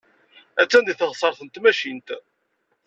Attan deg teɣsert n tmacint.